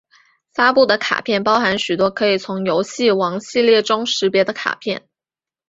发布的卡片包含许多可以从游戏王系列中识别的卡片！